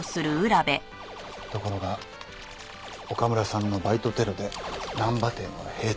ところが岡村さんのバイトテロで難波店は閉店。